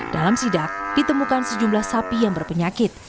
dalam sidak ditemukan sejumlah sapi yang berpenyakit